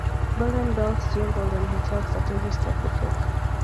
Golden bells jingled on his legs at every step he took.